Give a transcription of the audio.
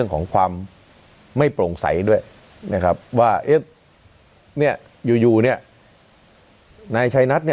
ของความไม่โปร่งใสด้วยว่าอยู่นายชัยนัท